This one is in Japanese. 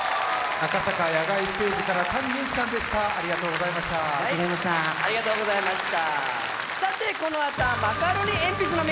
赤坂野外ステージからＴａｎｉＹｕｕｋｉさんでした。